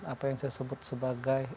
apa yang saya sebut sebagai